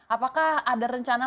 apakah ada rencana